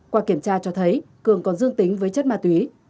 qua kiểm tra cho thấy cường còn dương tính với chất ma túy